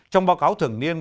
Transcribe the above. trong báo cáo thường niên